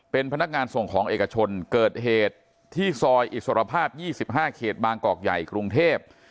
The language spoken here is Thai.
เป็นพนักงานส่งของเอกชนเกิดเหตุที่ซอยอิสรภาพ๒๕เขตบางกอกใหญ่กรุงเทพ